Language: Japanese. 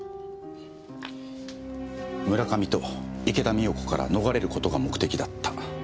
村上と池田美代子から逃れることが目的だった。